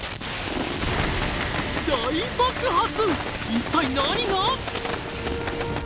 一体何が？